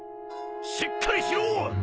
しっかりしろ！